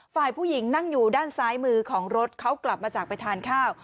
ฝ่ายผู้หญิงนั่งอยู่ด้านซ้ายมือของรถเขากลับมาจากไปทานข้าว